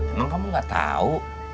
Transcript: emang kamu enggak tahu